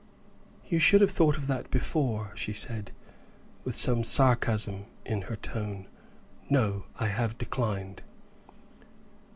"You should have thought of that before," she said, with some sarcasm in her tone. "No; I have declined."